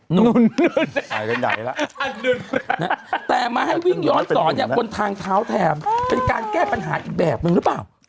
หนุ่นแต่มาให้วิ่งย้อนสอนบนทางเท้าแถมเป็นการแก้ปัญหาอีกแบบนึงหรือเปล่า